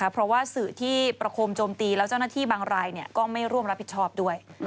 เพราะว่าสื่อที่ประคมโจมตีแล้วเจ้าหน้าที่บางรายก็ไม่ร่วมรับผิดชอบด้วย